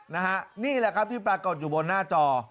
นี่แหละครับที่ปรากฏอยู่บนหน้าจอ